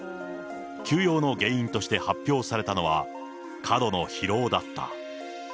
休養の原因として発表されたのは、過度の疲労だった。